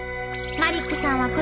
マリックさん